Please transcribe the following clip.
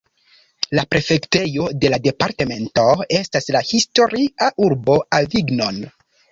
La prefektejo de la departemento estas la historia urbo Avignon.